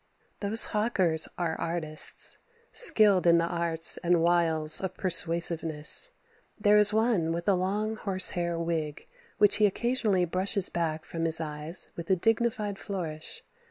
Those hawkers are artists, skilled in the arts and wiles of persuasiveness. There is one with a long, horse hair wig which he occasionally brushes back from his eyes with a dignified flourish.